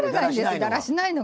だらしないのが。